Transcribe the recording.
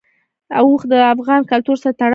اوښ د افغان کلتور سره تړاو لري.